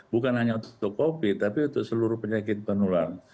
bukan hanya untuk covid tapi untuk seluruh penyakit penular